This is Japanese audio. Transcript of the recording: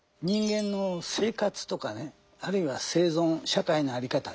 人間の生活とかねあるいは生存社会の在り方